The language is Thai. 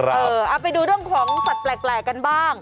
เอาไปดูเรื่องของสัตว์แปลกกันบ้าง